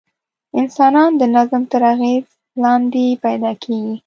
انسانان د نظم تر اغېز لاندې پیدا کېږي.